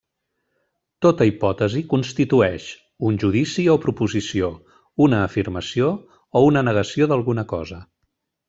Tota hipòtesi constitueix, un judici o proposició, una afirmació o una negació d'alguna cosa.